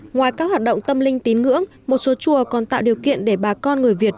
ngoài các hoạt động tâm linh tín ngưỡng một số chùa còn tạo điều kiện để bà con người việt